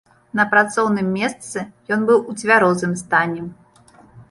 На працоўным месцы ён быў у цвярозым стане.